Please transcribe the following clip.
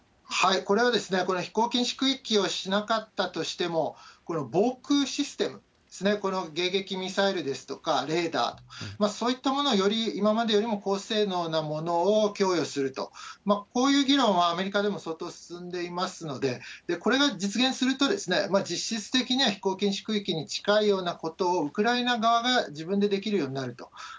これは、この飛行禁止区域をしなかったとしても、この防空システムですね、この迎撃ミサイルですとか、レーダー、そういったものは、より今までよりも高性能なものを供与すると、こういう議論はアメリカでも相当進んでいますので、これが実現すると、実質的には飛行禁止区域に近いようなことを、ウクライナ側が自分でできるようになると。